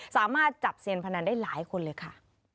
สามารถจับเซียนพนันได้หลายคนเลยค่ะ